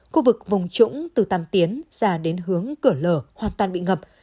khu vực vùng trũng từ tàm tiến ra đến hướng cửa lở hoàn toàn bị ngập